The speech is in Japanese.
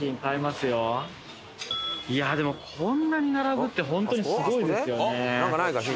いやあでもこんなに並ぶって本当にすごいですよね。